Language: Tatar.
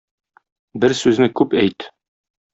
Бер сүзне күп әйт